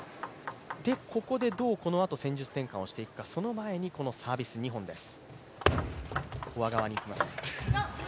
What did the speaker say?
ここでどうこのあと、戦術転換をしていくか、その前にこのサービス２本です。